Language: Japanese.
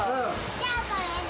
じゃあ、これで。